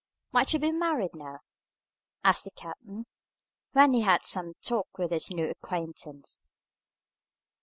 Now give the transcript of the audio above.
"Might you be married now?" asked the captain, when he had had some talk with this new acquaintance.